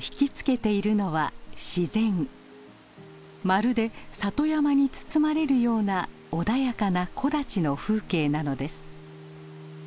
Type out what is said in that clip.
まるで里山に包まれるような穏やかな木立の風景なのです。